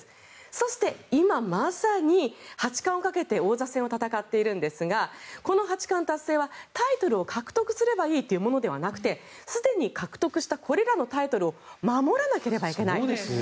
そして、今まさに八冠をかけて王座戦を戦っているんですがこの八冠達成はタイトルを獲得すればいいというものではなくてすでに獲得したこれらのタイトルを守らなければいけない。